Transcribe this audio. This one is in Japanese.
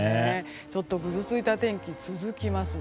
ちょっと、ぐずついた天気続きます。